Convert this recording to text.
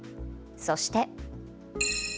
そして。